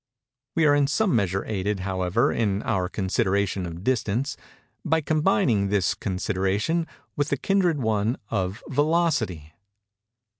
We are in some measure aided, however, in our consideration of distance, by combining this consideration with the kindred one of velocity.